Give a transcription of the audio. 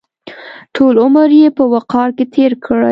ټول عمر یې په وقار کې تېر کړی.